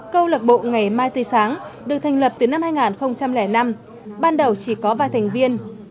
câu lạc bộ ngày mai tươi sáng được thành lập từ năm hai nghìn năm ban đầu chỉ có ba thành viên